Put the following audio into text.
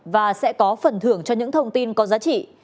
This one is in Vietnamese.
và sẽ có phần thưởng cho những thông tin có giá trị